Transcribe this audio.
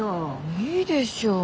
いいでしょ。